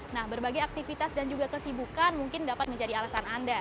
nah berbagai aktivitas dan juga kesibukan mungkin dapat menjadi alasan anda